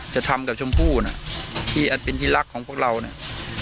จะทำกับชมพู่น่ะที่อันเป็นที่รักของพวกเราเนี่ย